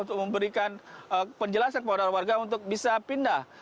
untuk memberikan penjelasan kepada warga untuk bisa pindah